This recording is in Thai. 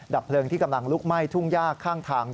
เพลิงที่กำลังลุกไหม้ทุ่งยากข้างทาง